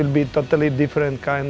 ini akan menjadi jenis yang berbeda